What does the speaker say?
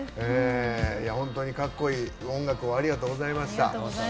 本当にかっこいい音楽をありがとうございました。